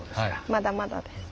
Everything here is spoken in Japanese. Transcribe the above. まだまだです。